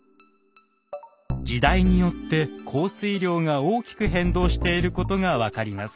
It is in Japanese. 時代によって降水量が大きく変動していることが分かります。